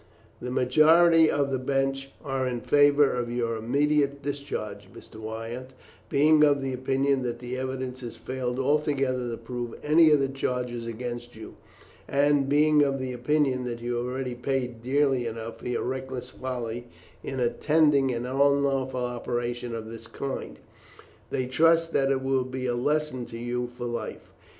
"The majority of the bench are in favour of your immediate discharge, Mr. Wyatt, being of opinion that the evidence has failed altogether to prove any of the charges against you, and, being of opinion that you have already paid dearly enough for your reckless folly in attending an unlawful operation of this kind, they trust that it will be a lesson to you for life.